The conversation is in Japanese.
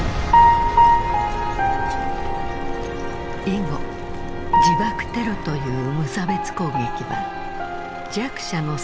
以後自爆テロという無差別攻撃は弱者の戦術として定着。